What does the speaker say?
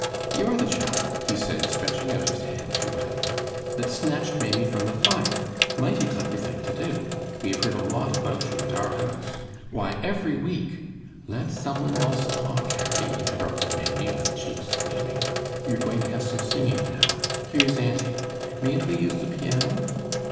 "You're the chap," he said, stretching out his hand to Ranald, "that snatched Maimie from the fire. Mighty clever thing to do. We have heard a lot about you at our house. Why, every week " "Let some one else talk, Harry," interrupted Maimie, with cheeks flaming. "We are going to have some singing now. Here is auntie. Mayn't we use the piano?"